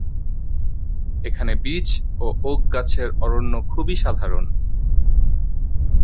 এখানে বিচ ও ওক গাছের অরণ্য খুবই সাধারণ।